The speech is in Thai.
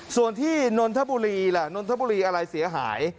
ส่วนที่นนทบุรีล่ะนนทบุรีอะไรเสียหาย